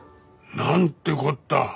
なんてこった。